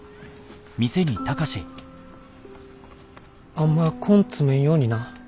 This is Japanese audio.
あんま根詰めんようにな。